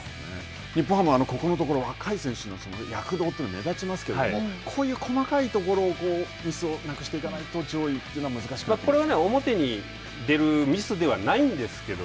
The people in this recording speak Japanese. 日本ハム、ここのところ若い選手の躍動が目立ちますけれども、こういう細かいところをミスをなくしていかないと、上位というのこれは表に出るミスではないんですけども。